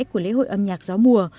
của lễ hội âm nhạc gió mùa